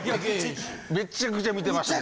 めちゃくちゃ観てました。